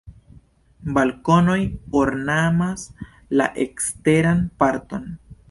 Balkonoj ornamas la eksteran parton.